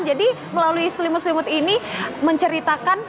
jadi melalui selimut selimut ini menceritakan